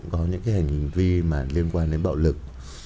với hành vi mà liên quan đến bạo lực